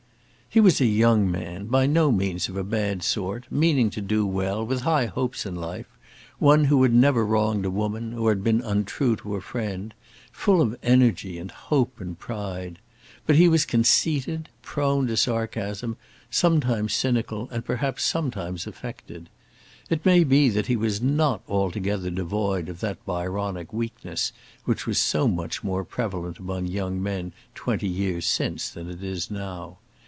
He was a young man, by no means of a bad sort, meaning to do well, with high hopes in life, one who had never wronged a woman, or been untrue to a friend, full of energy and hope and pride. But he was conceited, prone to sarcasm, sometimes cynical, and perhaps sometimes affected. It may be that he was not altogether devoid of that Byronic weakness which was so much more prevalent among young men twenty years since than it is now.